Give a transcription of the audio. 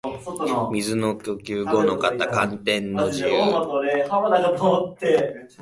水の呼吸伍ノ型干天の慈雨（ごのかたかんてんのじう）